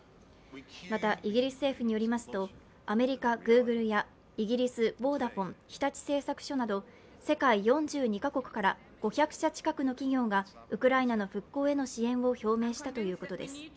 また、イギリス政府によりますとアメリカ、Ｇｏｏｇｌｅやイギリス、ボーダフォン、日立製作所など世界４２か国から５００社近くの企業がウクライナの復興への支援を表明したということです。